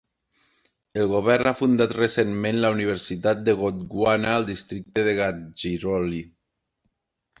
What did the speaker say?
El govern ha fundat recentment la Universitat de Gondwana al districte de Gadhchiroli.